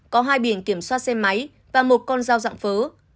có hai biển kiểm soát xe máy và một con dao dạng phớ